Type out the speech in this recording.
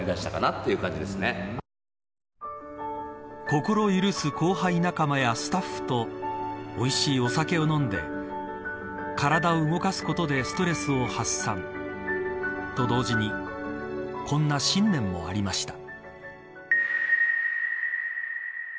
心許す後輩仲間やスタッフとおいしいお酒を飲んで体を動かすことでストレスを発散と、同時にこんな信念もありました。